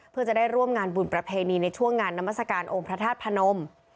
เพื่อจะได้ร่วมงานบุญประเพณีในช่วงงานนามัศกาลองค์พระธาตุพนม